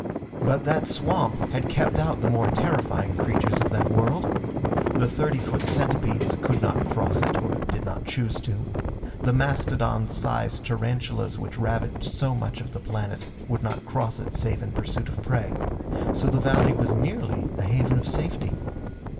But that swamp had kept out the more terrifying creatures of that world. The thirty foot centipedes could not cross it or did not choose to. The mastodon sized tarantulas which ravaged so much of the planet would not cross it save in pursuit of prey. So the valley was nearly a haven of safety.